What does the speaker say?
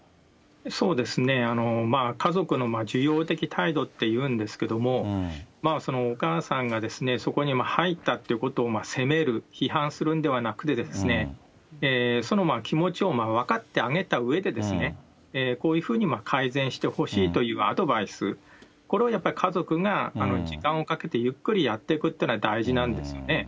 そうですね、家族の受容的態度っていうんですけども、お母さんがそこに入ったということを責める、批判するんではなくて、その気持ちを分かってあげたうえで、こういうふうに改善してほしいというアドバイス、これをやっぱり家族が時間をかけてゆっくりやっていくというのは大事なんですよね。